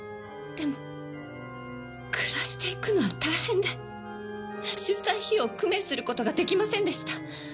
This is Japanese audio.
でも暮らしていくのは大変で出産費用を工面する事が出来ませんでした。